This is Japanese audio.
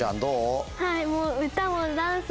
はい。